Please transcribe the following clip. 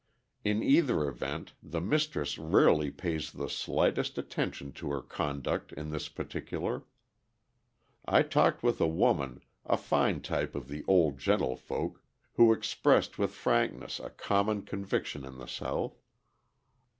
In either event the mistress rarely pays the slightest attention to her conduct in this particular. I talked with a woman, a fine type of the old gentlefolk, who expressed with frankness a common conviction in the South.